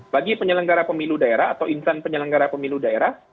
bagi penyelenggara pemilu daerah atau insan penyelenggara pemilu daerah